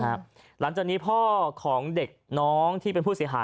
หลังจากนี้พ่อของเด็กน้องที่เป็นผู้เสียหาย